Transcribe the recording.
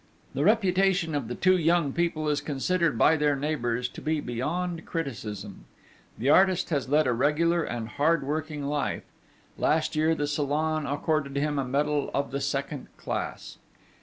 The reputation of the two young people is considered by their neighbours to be beyond criticism. The artist has led a regular and hard working life: last year the Salon accorded him a medal of the second class.